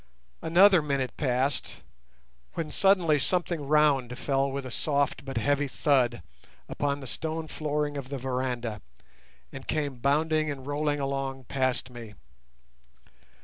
Another minute passed, when suddenly something round fell with a soft but heavy thud upon the stone flooring of the veranda, and came bounding and rolling along past me.